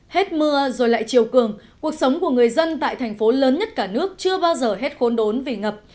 hết mưa rồi lại chiều cường cuộc sống của người dân tại thành phố lớn nhất cả nước chưa bao giờ hết khốn đốn vì ngập